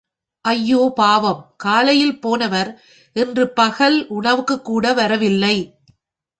ஐயோ பாவம், காலையில் போனவர் இன்று பகல் உணவுக்குக்கூட வரவில்லை.